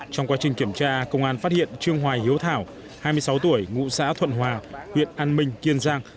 trong quá trình kiểm tra công an phát hiện trương hoài hiếu thảo hai mươi sáu tuổi ngụ xã thuận hòa huyện an minh kiên giang